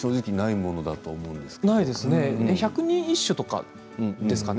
百人一首とかですかね。